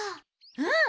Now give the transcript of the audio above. うん！